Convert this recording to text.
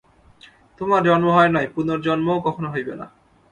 তোমার জন্ম হয় নাই, পুনর্জন্মও কখনও হইবে না।